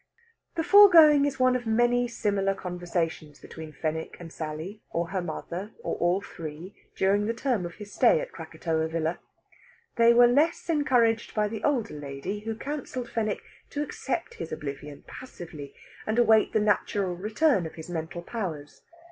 The foregoing is one of many similar conversations between Fenwick and Sally, or her mother, or all three, during the term of his stay at Krakatoa Villa. They were less encouraged by the older lady, who counselled Fenwick to accept his oblivion passively, and await the natural return of his mental powers.